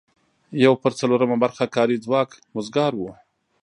یو پر څلورمه برخه کاري ځواک وزګار و.